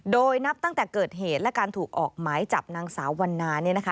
โดยนับตั้งแต่เกิดเหตุและการถูกออกหมายจับนางสาววันนา